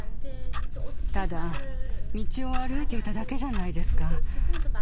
ただ道を歩いていただけじゃないですか。